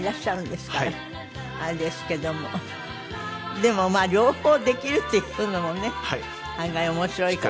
でもまあ両方できるっていうのもね案外面白いかも。